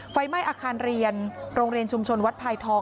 ไฟไหม้อาคารเรียนโรงเรียนชุมชนวัดพายทอง